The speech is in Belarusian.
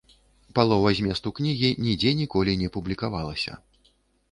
Палова зместу кнігі нідзе ніколі не публікавалася.